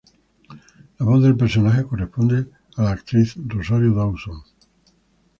La voz del personaje corresponde a la actriz Rosario Dawson.